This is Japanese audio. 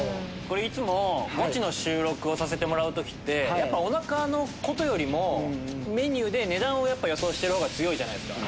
いつもゴチの収録をさせてもらう時っておなかのことよりもメニューで値段を予想してるのが強いじゃないですか。